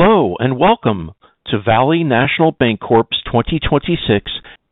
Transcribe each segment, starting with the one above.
Hello, welcome to Valley National Bancorp's 2026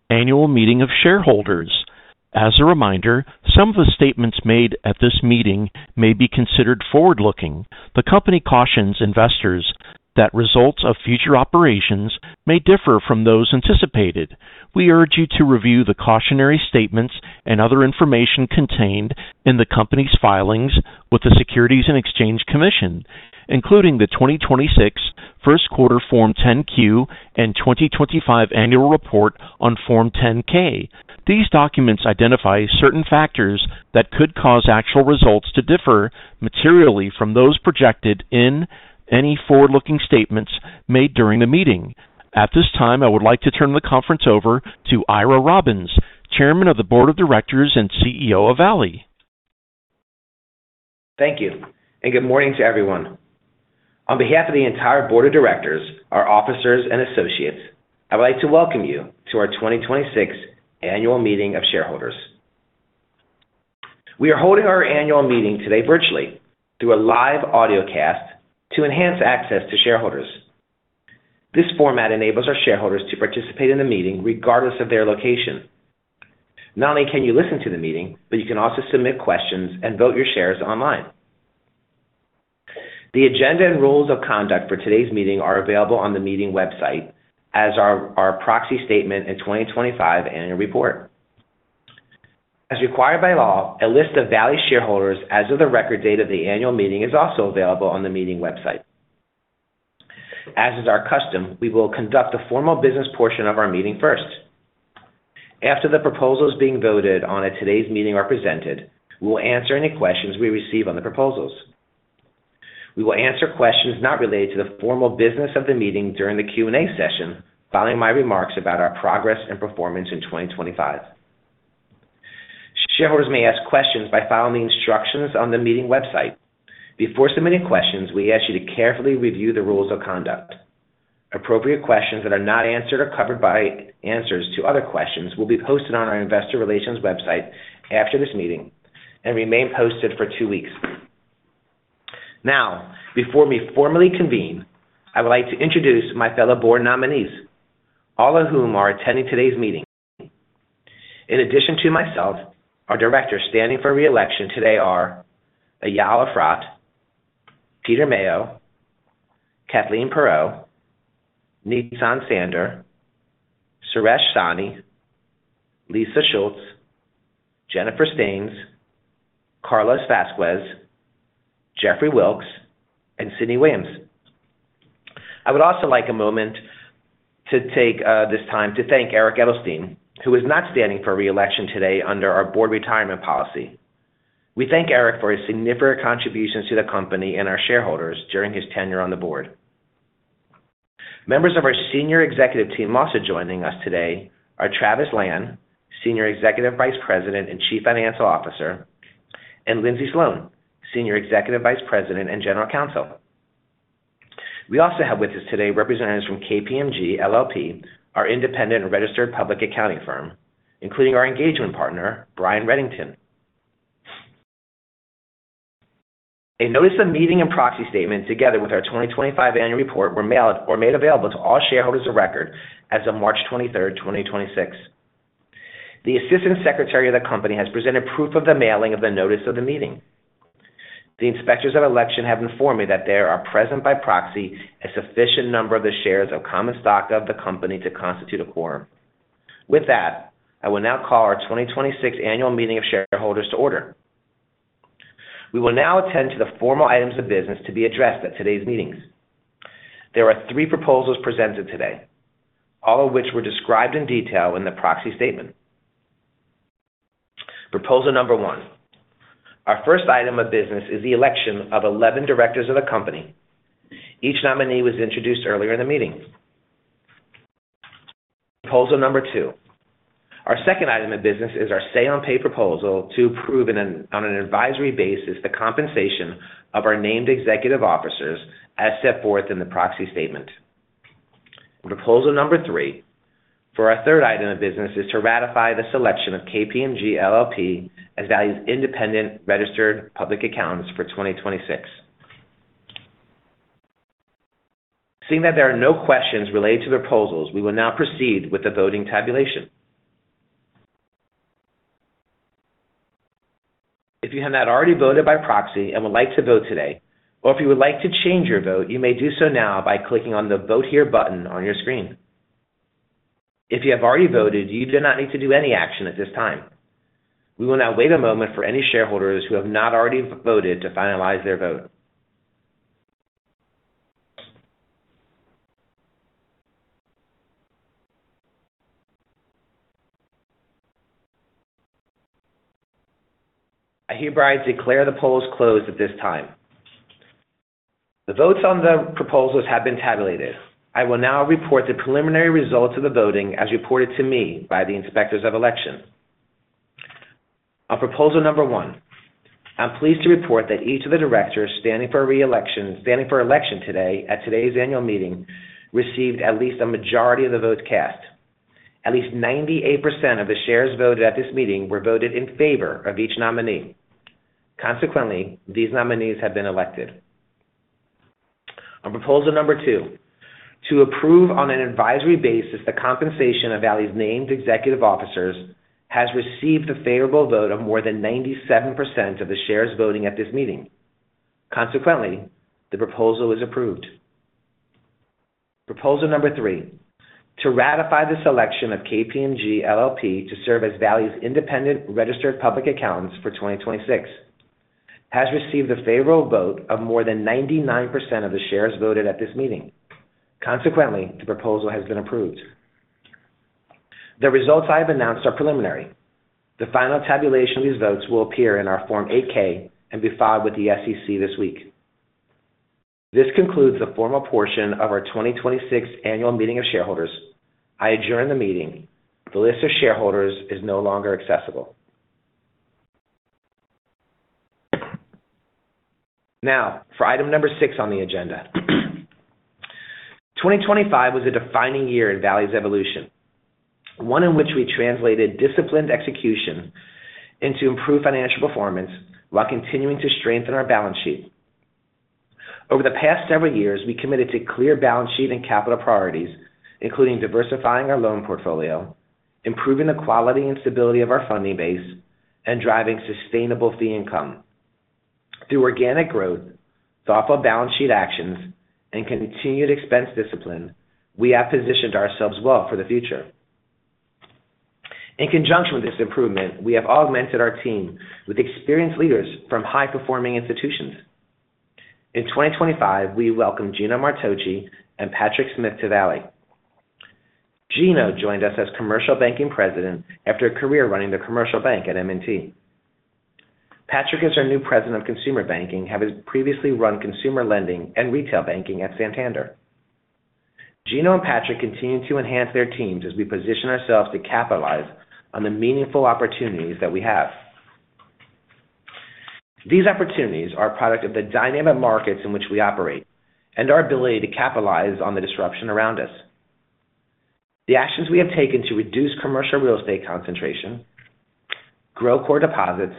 Annual Meeting of Shareholders. As a reminder, some of the statements made at this meeting may be considered forward-looking. The company cautions investors that results of future operations may differ from those anticipated. We urge you to review the cautionary statements and other information contained in the company's filings with the Securities and Exchange Commission, including the 2026 first quarter Form 10-Q and 2025 annual report on Form 10-K. These documents identify certain factors that could cause actual results to differ materially from those projected in any forward-looking statements made during the meeting. At this time, I would like to turn the conference over to Ira Robbins, Chairman of the Board of Directors and CEO of Valley. Thank you, and good morning to everyone. On behalf of the entire board of directors, our officers, and associates, I would like to welcome you to our 2026 Annual Meeting of Shareholders. We are holding our annual meeting today virtually through a live audiocast to enhance access to shareholders. This format enables our shareholders to participate in the meeting regardless of their location. Not only can you listen to the meeting, but you can also submit questions and vote your shares online. The agenda and rules of conduct for today's meeting are available on the meeting website, as are our proxy statement and 2025 annual report. As required by law, a list of Valley shareholders as of the record date of the annual meeting is also available on the meeting website. As is our custom, we will conduct the formal business portion of our meeting first. After the proposals being voted on at today's meeting are presented, we will answer any questions we receive on the proposals. We will answer questions not related to the formal business of the meeting during the Q&A session following my remarks about our progress and performance in 2025. Shareholders may ask questions by following the instructions on the meeting website. Before submitting questions, we ask you to carefully review the rules of conduct. Appropriate questions that are not answered or covered by answers to other questions will be posted on our investor relations website after this meeting and remain posted for two weeks. Before we formally convene, I would like to introduce my fellow board nominees, all of whom are attending today's meeting. In addition to myself, our directors standing for re-election today are Eyal Efrat, Peter Maio, Kathleen Perrott, Nitzan Sandor, Suresh Sani, Lisa Schultz, Jennifer Steans, Carlos Vazquez, Jeffrey Wilks, and Sidney Williams. I would also like a moment to take this time to thank Eric Edelstein, who is not standing for re-election today under our board retirement policy. We thank Eric for his significant contributions to the company and our shareholders during his tenure on the board. Members of our senior executive team also joining us today are Travis Lan, Senior Executive Vice President and Chief Financial Officer, and Lyndsey Sloan, Senior Executive Vice President and General Counsel. We also have with us today representatives from KPMG LLP, our independent registered public accounting firm, including our Engagement Partner, Brian Reddington. A notice of meeting and proxy statement together with our 2025 annual report were mailed or made available to all shareholders of record as of March 23rd, 2026. The assistant secretary of the company has presented proof of the mailing of the notice of the meeting. The inspectors of election have informed me that there are present by proxy a sufficient number of the shares of common stock of the company to constitute a quorum. With that, I will now call our 2026 Annual Meeting of Shareholders to order. We will now attend to the formal items of business to be addressed at today's meetings. There are three proposals presented today, all of which were described in detail in the proxy statement. Proposal number one. Our first item of business is the election of 11 directors of the company. Each nominee was introduced earlier in the meeting. Proposal number two. Our second item of business is our say on pay proposal to approve an, on an advisory basis the compensation of our named executive officers as set forth in the proxy statement. Proposal number three. For our third item of business is to ratify the selection of KPMG LLP as Valley's independent registered public accountants for 2026. Seeing that there are no questions related to the proposals, we will now proceed with the voting tabulation. If you have not already voted by proxy and would like to vote today, or if you would like to change your vote, you may do so now by clicking on the Vote Here button on your screen. If you have already voted, you do not need to do any action at this time. We will now wait a moment for any shareholders who have not already voted to finalize their vote. I hereby declare the polls closed at this time. The votes on the proposals have been tabulated. I will now report the preliminary results of the voting as reported to me by the inspectors of election. On proposal number one, I'm pleased to report that each of the directors standing for re-election, standing for election today at today's annual meeting received at least a majority of the votes cast. At least 98% of the shares voted at this meeting were voted in favor of each nominee. Consequently, these nominees have been elected. On proposal number two, to approve on an advisory basis the compensation of Valley's named executive officers has received a favorable vote of more than 97% of the shares voting at this meeting. Consequently, the proposal is approved. Proposal number three, to ratify the selection of KPMG LLP to serve as Valley's independent registered public accountants for 2026, has received a favorable vote of more than 99% of the shares voted at this meeting. Consequently, the proposal has been approved. The results I have announced are preliminary. The final tabulation of these votes will appear in our Form 8-K and be filed with the SEC this week. This concludes the formal portion of our 2026 annual meeting of shareholders. I adjourn the meeting. The list of shareholders is no longer accessible. Now for item number six on the agenda. 2025 was a defining year in Valley's evolution, one in which we translated disciplined execution into improved financial performance while continuing to strengthen our balance sheet. Over the past several years, we committed to clear balance sheet and capital priorities, including diversifying our loan portfolio, improving the quality and stability of our funding base, and driving sustainable fee income. Through organic growth, thoughtful balance sheet actions, and continued expense discipline, we have positioned ourselves well for the future. In conjunction with this improvement, we have augmented our team with experienced leaders from high-performing institutions. In 2025, we welcomed Gino Martocci and Patrick Smith to Valley. Gino joined us as commercial banking president after a career running the commercial bank at M&T. Patrick is our new president of consumer banking, having previously run consumer lending and retail banking at Santander. Gino and Patrick continue to enhance their teams as we position ourselves to capitalize on the meaningful opportunities that we have. These opportunities are a product of the dynamic markets in which we operate and our ability to capitalize on the disruption around us. The actions we have taken to reduce commercial real estate concentration, grow core deposits,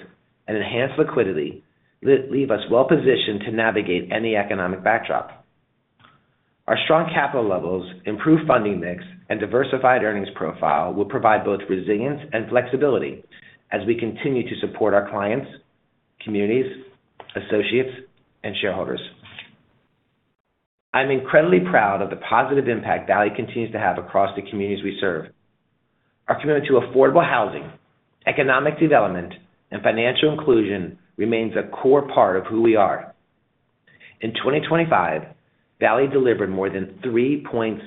and enhance liquidity leave us well-positioned to navigate any economic backdrop. Our strong capital levels, improved funding mix, and diversified earnings profile will provide both resilience and flexibility as we continue to support our clients, communities, associates, and shareholders. I'm incredibly proud of the positive impact Valley continues to have across the communities we serve. Our commitment to affordable housing, economic development, and financial inclusion remains a core part of who we are. In 2025, Valley delivered more than $3.6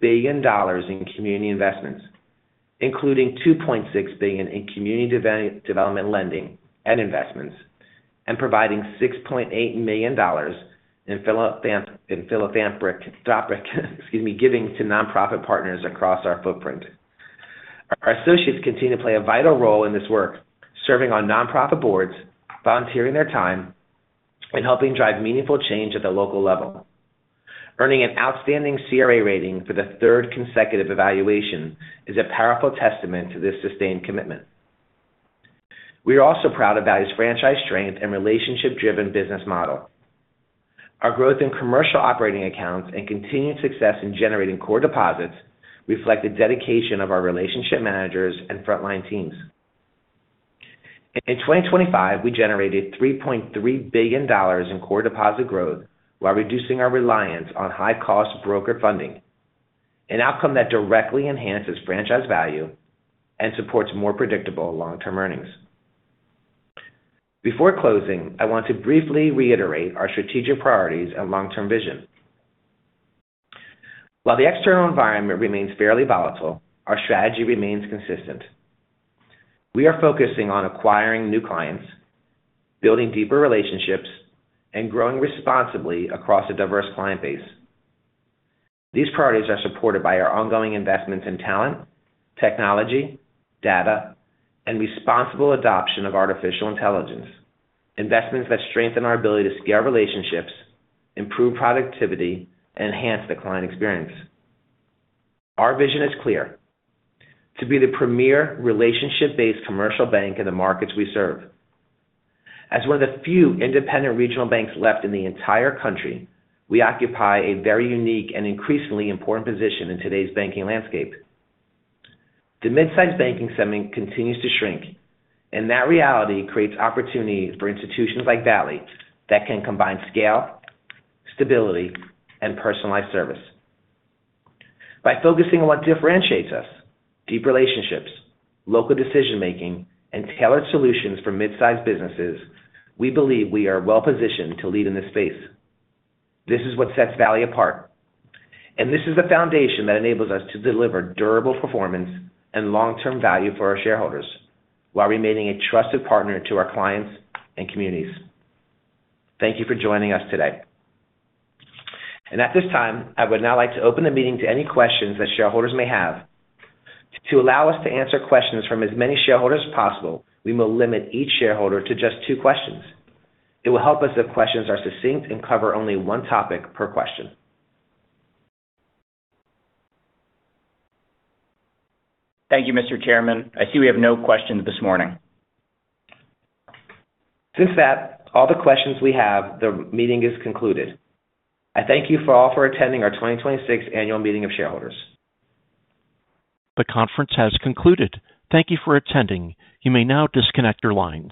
billion in community investments, including $2.6 billion in community development lending and investments, and providing $6.8 million in philanthropic, excuse me, giving to nonprofit partners across our footprint. Our associates continue to play a vital role in this work, serving on nonprofit boards, volunteering their time, and helping drive meaningful change at the local level. Earning an outstanding CRA rating for the third consecutive evaluation is a powerful testament to this sustained commitment. We are also proud of Valley's franchise strength and relationship-driven business model. Our growth in commercial operating accounts and continued success in generating core deposits reflect the dedication of our relationship managers and frontline teams. In 2025, we generated $3.3 billion in core deposit growth while reducing our reliance on high-cost broker funding, an outcome that directly enhances franchise value and supports more predictable long-term earnings. Before closing, I want to briefly reiterate our strategic priorities and long-term vision. While the external environment remains fairly volatile, our strategy remains consistent. We are focusing on acquiring new clients, building deeper relationships, and growing responsibly across a diverse client base. These priorities are supported by our ongoing investments in talent, technology, data, and responsible adoption of artificial intelligence, investments that strengthen our ability to scale relationships, improve productivity, and enhance the client experience. Our vision is clear: to be the premier relationship-based commercial bank in the markets we serve. As one of the few independent regional banks left in the entire country, we occupy a very unique and increasingly important position in today's banking landscape. The midsize banking segment continues to shrink, and that reality creates opportunities for institutions like Valley that can combine scale, stability, and personalized service. By focusing on what differentiates us, deep relationships, local decision-making, and tailored solutions for midsize businesses, we believe we are well-positioned to lead in this space. This is what sets Valley apart, and this is the foundation that enables us to deliver durable performance and long-term value for our shareholders while remaining a trusted partner to our clients and communities. Thank you for joining us today. At this time, I would now like to open the meeting to any questions that shareholders may have. To allow us to answer questions from as many shareholders as possible, we will limit each shareholder to just two questions. It will help us if questions are succinct and cover only one topic per question. Thank you, Mr. Chairman. I see we have no questions this morning. Since that's all the questions we have, the meeting is concluded. I thank you all for attending our 2026 annual meeting of shareholders. The conference has concluded. Thank you for attending. You may now disconnect your lines.